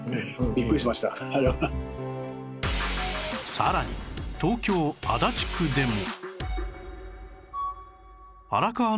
さらに東京足立区でも